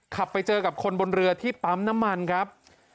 ขับไปเจอกับคนบนเรือที่ปั๊มน้ำมันครับ